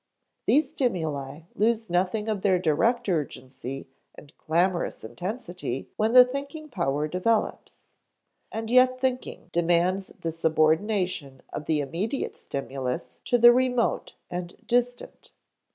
These stimuli lose nothing of their direct urgency and clamorous insistency when the thinking power develops; and yet thinking demands the subordination of the immediate stimulus to the remote and distant.